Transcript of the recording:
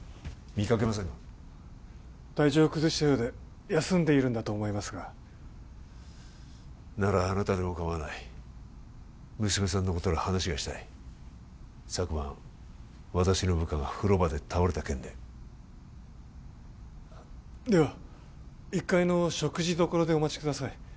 見かけませんが体調を崩したようで休んでいるんだと思いますがならあなたでも構わない娘さんのことで話がしたい昨晩私の部下が風呂場で倒れた件ででは１階の食事処でお待ちください